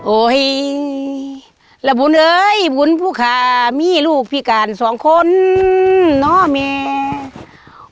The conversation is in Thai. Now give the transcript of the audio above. ละบุญเอ้ยบุญผู้คามีลูกพิการสองคนเนาะแม่